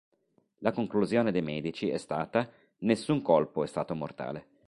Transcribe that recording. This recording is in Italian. La conclusione dei medici è stata "Nessun colpo è stato mortale".